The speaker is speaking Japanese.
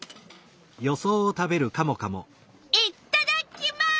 いっただっきます！